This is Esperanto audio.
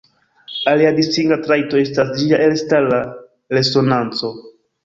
Alia distinga trajto estas ĝia elstara resonanco.